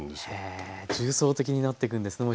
へえ重層的になっていくんですね